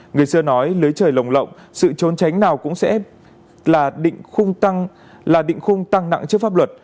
người xưa nói lưới trời lồng lộng sự trốn tránh nào cũng sẽ là định khung tăng nặng trước pháp luật